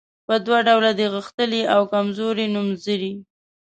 په دوه ډوله دي غښتلي او کمزوري نومځري.